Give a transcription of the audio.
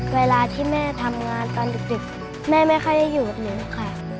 เวลาที่แม่ทำงานตอนดึกแม่ไม่ค่อยได้อยู่กับหนูค่ะ